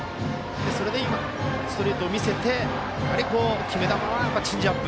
それで、ストレートを見せて決め球はチェンジアップ。